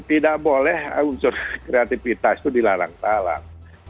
tidak boleh unsur kreativitas itu dilarang talak